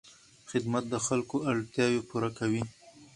خدمت د خلکو اړتیاوې پوره کوي.